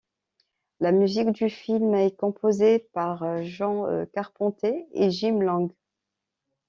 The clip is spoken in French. La musique du film est composée par John Carpenter et Jim Lang.